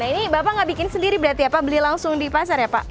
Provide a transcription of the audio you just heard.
ini bapak tidak membuat sendiri berarti ya pak beli langsung di pasar ya pak